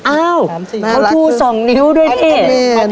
อ้าวเขาทูสองนิ้วด้วยเนี่ย